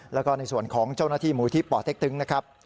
แล้วก็ในส่วนของเจ้าหน้าที่หมู่ที่ป่อเต็กตึงนะครับ